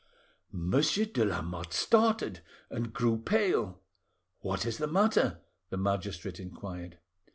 '" Monsieur de Lamotte started, and grew pale. "What is the matter?" the magistrate inquired.